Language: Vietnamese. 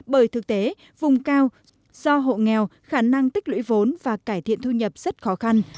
bởi thực tế vùng cao do hộ nghèo khả năng tích lũy vốn và cải thiện thu nhập rất khó khăn